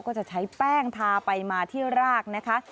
ก็จะใช้แป้งทาไปมาที่รากนะคะ